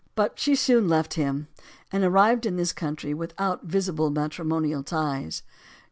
But she soon left him, LOLA MONTEZ 17 and arrived in this country without visible matrimonial ties.